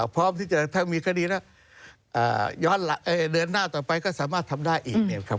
พร้อมที่จะถ้ามีคดีแล้วย้อนเดินหน้าต่อไปก็สามารถทำได้อีกเนี่ยครับ